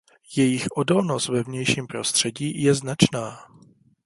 Jejich odolnost ve vnějším prostředí je značná.